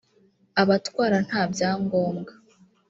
abatwara nta byangombwa